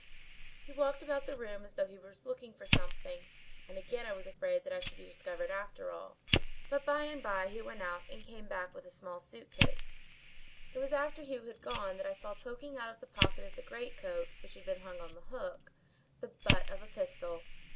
"He walked about the room as though he was looking for something, and again I was afraid that I should be discovered after all, but by and by he went out and came back with a small suit case. It was after he had gone that I saw poking out of the pocket of the overcoat which had been hung on the hook, the butt of a pistol.